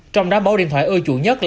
trong đó bộ điện thoại ưa chuộng nhất